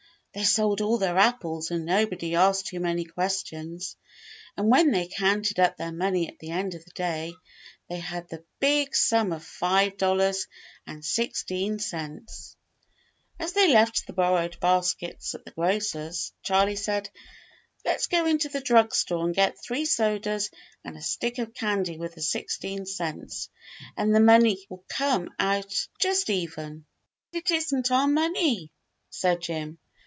They sold all their apples and nobody asked too many questions; and when they counted up their money at the end of the day they had the big sum of ^ve dollars and sixteen cents. As they left the borrowed baskets at the grocer's, Charley said, "Let's go into the drug store and get three sodas and a stick of candy with the sixteen cents, and then the money w411 come out just even." "But it is n't our money," said Jim.